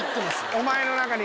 お前の中に。